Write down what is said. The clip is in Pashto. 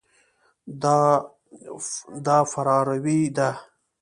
دا فراروی ده.